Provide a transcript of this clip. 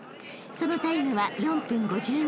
［そのタイムは４分５２秒］